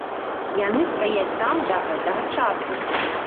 Яны стаяць там да гэтага часу.